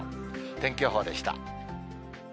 天気予報でした。